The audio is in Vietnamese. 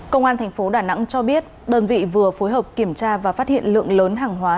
công an thành phố đà nẵng cho biết đơn vị vừa phối hợp kiểm tra và phát hiện lượng lớn hàng hóa